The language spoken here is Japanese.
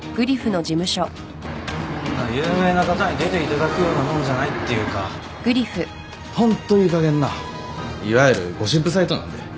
そんな有名な方に出ていただくようなもんじゃないっていうかホントいいかげんないわゆるゴシップサイトなんで。